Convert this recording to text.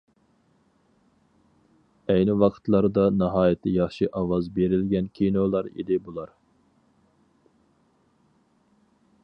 ئەينى ۋاقىتلاردا ناھايىتى ياخشى ئاۋاز بېرىلگەن كىنولار ئىدى بۇلار.